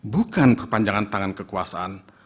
bukan perpanjangan tangan kekuasaan